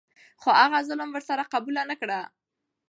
خو هغه ظلم ور سره قبوله نه کړه.